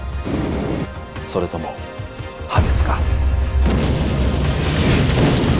それとも破滅か。